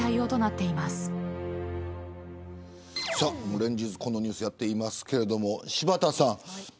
連日このニュースやっていますけれども、柴田さん